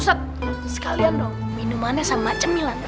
ustadz sekalian dong minumannya sama cemilan ustadz